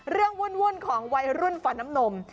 เรื่องวุ่นของวัยรุ่นฝันน้ำนม